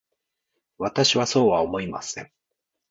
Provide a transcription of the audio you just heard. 私はそうは思いません。